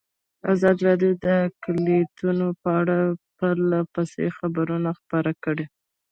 ازادي راډیو د اقلیتونه په اړه پرله پسې خبرونه خپاره کړي.